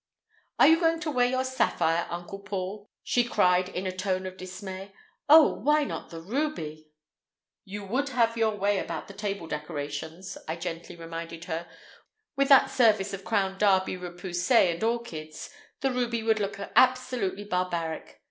"Are you going to wear your sapphire, Uncle Paul!" she cried in a tone of dismay. "Oh, why not the ruby?" "You would have your way about the table decorations," I gently reminded her. "With that service of Crown Derby repoussé and orchids, the ruby would look absolutely barbaric.